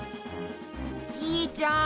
じいちゃん